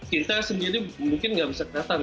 kita sendiri mungkin nggak bisa kelihatan